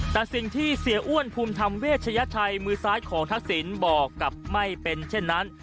แต่สิ่งที่เสียอ้วนภูมิธรรมเวชยชัยมือซ้ายของทักษิณบอกกับไม่เป็นเช่นนั้น